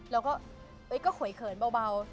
แล้วก็เฮ้ยก็ข่วยเขินเบา